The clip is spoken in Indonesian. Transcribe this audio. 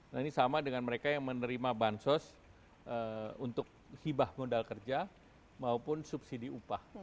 nah ini sama dengan mereka yang menerima bansos untuk hibah modal kerja maupun subsidi upah